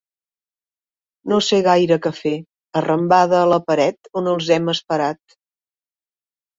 No sé gaire què fer, arrambada a la paret on els hem esperat.